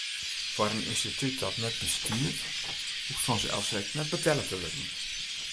Foar in ynstitút dat net bestiet, hoecht fansels ek net betelle te wurden.